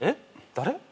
誰？